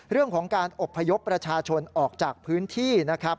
เรื่องของการอบพยพประชาชนออกจากพื้นที่นะครับ